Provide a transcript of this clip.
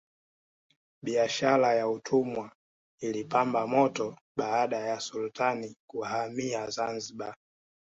biashara ya utumwa ilipamba moto baada ya sultani kuhamia zanzibar